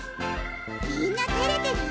みんな照れてる？